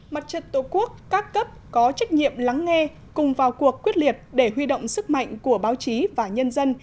mặt trận tổ quốc các cấp có trách nhiệm lắng nghe cùng vào cuộc quyết liệt để huy động sức mạnh của báo chí và nhân dân